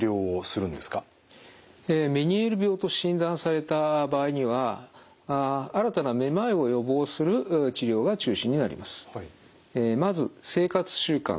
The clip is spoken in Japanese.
メニエール病と診断された場合には新たなめまいを予防する治療が中心になります。